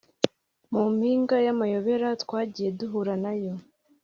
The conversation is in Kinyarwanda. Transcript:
mu mpinga y'amayobera twagiye duhura nayo